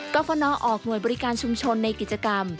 กรฟนออกหน่วยบริการชุมชนในกิจกรรม